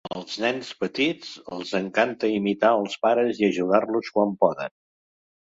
Als nens petits els encanta imitar els pares i ajudar-los quan poden.